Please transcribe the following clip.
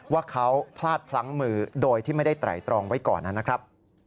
ว่าเขาพลาดพลั้งมือโดยที่ไม่ได้ไตรตรองไว้ก่อนนะครับ